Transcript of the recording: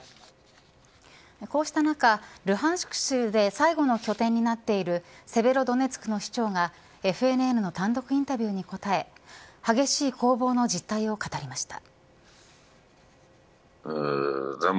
こうした中ルハンスク州で最後の拠点になっていてセベロドネツクの市長がＦＮＮの単独インタビューに答え激しい攻防の実態を語りました。